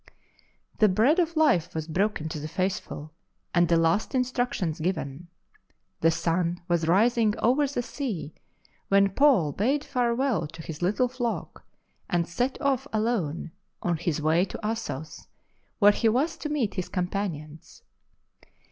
The Bread of Life was broken to the faithful and the last instructions given. The sun was rising over the sea when Paul bade farewell to his little flock, and set off alone on his way to Assos, where he was to meet his companions.